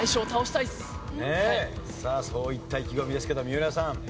さあそういった意気込みですけど三浦さん。